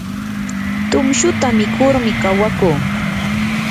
tumshuta mikurmi kawakuu.